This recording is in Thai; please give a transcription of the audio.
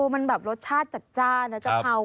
มันแบบรสชาติจานะกะเพรา